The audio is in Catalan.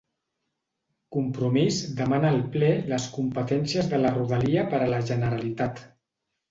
Compromís demana al ple les competències de la Rodalia per a la Generalitat